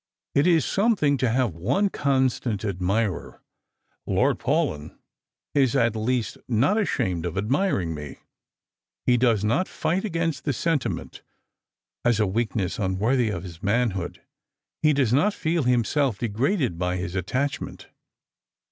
" It is something to have one constant admirer. Lord Paulyn is at least not ashamed of admiring me. He does not fight against the sentiment, as a weakness unworthy of his manhood, "^ie does not feel himself degraded by his attachment."